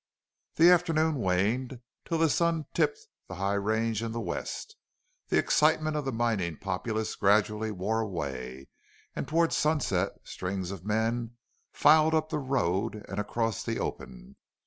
The afternoon waned till the sun tipped the high range in the west. The excitement of the mining populace gradually wore away, and toward sunset strings of men filed up the road and across the open.